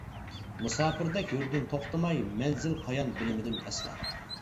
مۇساپىردەك يۈردۈم توختىماي، مەنزىل قايان بىلمىدىم ئەسلا.